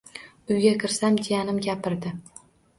Uyga kirsam jiyanim gapirdi.